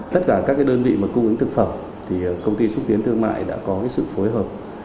tất cả các đơn vị mà cung ứng thực phẩm thì công ty xúc tiến thương mại đã có sự phối hợp